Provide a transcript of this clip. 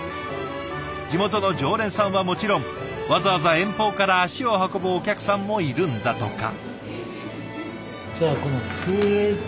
地元の常連さんはもちろんわざわざ遠方から足を運ぶお客さんもいるんだとか。